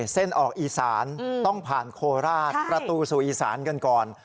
เส้นออกอีสานต้องผ่านโคราชประตูสู่อีสานกันก่อน